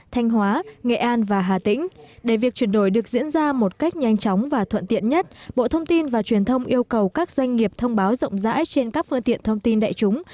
thanh hóa nghệ an và hà tĩnh để việc chuyển đổi được diễn ra một cách nhanh chóng và thuận tiện nhất bộ thông tin và truyền thông yêu cầu các doanh nghiệp thông báo rộng rãi trên các phương tiện thông tin đại chúng